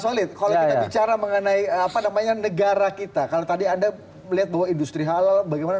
solid kalau kita bicara mengenai apa namanya negara kita kalau tadi anda melihat bahwa industri halal bagaimana